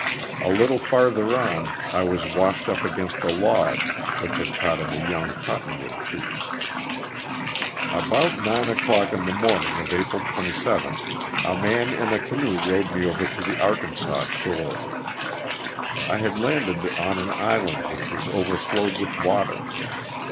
A little farther on I was washed up against a log which had caught in the young cotton wood trees. About nine o'clock in the morning of April 27, a man in a canoe rowed me over to the Arkansas shore. I had landed on an island which was overflowed with water.